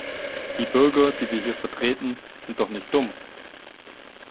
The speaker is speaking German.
Die Bürger, die wir hier vertreten, sind doch nicht dumm.